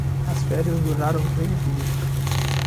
As férias duraram três dias.